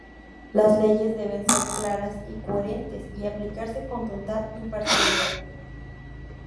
Las leyes deben ser claras y coherentes y aplicarse con total imparcialidad.